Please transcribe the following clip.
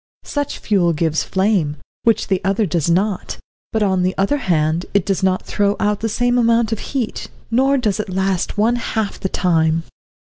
Such fuel gives flame, which the other does not; but, on the other hand, it does not throw out the same amount of heat, nor does it last one half the time.